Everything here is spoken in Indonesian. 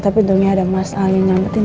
tapi nanti ada mas ali nyametin rena